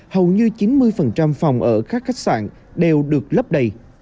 hầu như chín mươi phòng ở các khách sạn đều được lấp đầy